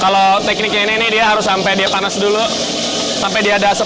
kalau tekniknya ini dia harus sampai di dalam